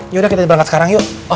yaudah kita berangkat sekarang yuk